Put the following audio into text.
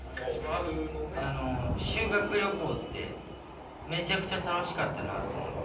修学旅行ってめちゃくちゃ楽しかったなぁと思って。